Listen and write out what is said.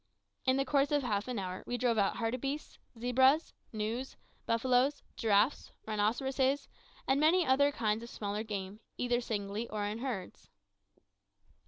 In the course of half an hour we drove out hartbeests, zebras, gnus, buffaloes, giraffes, rhinoceroses, and many other kinds of smaller game, either singly or in herds.